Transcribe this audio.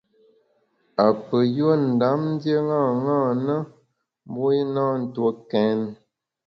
Apeyùe Ndam ndié ṅaṅâ na, mbu i na ntue kèn.